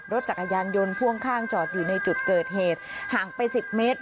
รถจักรยานยนต์พ่วงข้างจอดอยู่ในจุดเกิดเหตุห่างไป๑๐เมตร